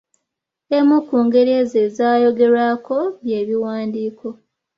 Emu ku ngeri ezo ezaayogerwako byebiwandiiko.